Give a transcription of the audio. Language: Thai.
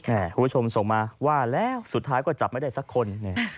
คุณผู้ชมส่งมาว่าแล้วสุดท้ายก็จับไม่ได้สักคนเนี่ย